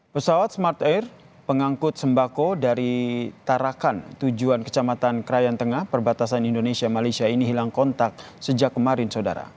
pesawat smart air pengangkut sembako dari tarakan tujuan kecamatan krayan tengah perbatasan indonesia malaysia ini hilang kontak sejak kemarin saudara